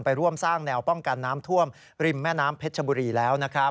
ร่วมสร้างแนวป้องกันน้ำท่วมริมแม่น้ำเพชรชบุรีแล้วนะครับ